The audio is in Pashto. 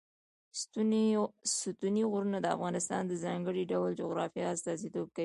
ستوني غرونه د افغانستان د ځانګړي ډول جغرافیه استازیتوب کوي.